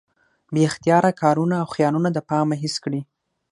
بې اختياره کارونه او خيالونه د پامه هېڅ کړي